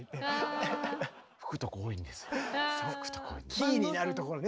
キーになるところね